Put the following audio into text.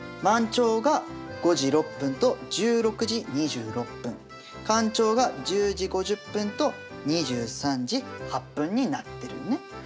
満潮が５時６分と１６時２６分干潮が１０時５０分と２３時８分になってるよね。